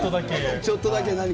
ちょっとだけ何か。